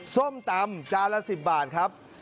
ส้มตำจานละ๑๐บาทครับ